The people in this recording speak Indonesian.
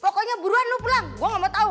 pokoknya buruan lu pulang gue gak mau tau